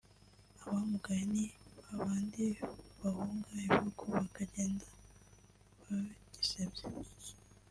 abamugaye ni ba bandi bahunga igihugu bakagenda bagisebya”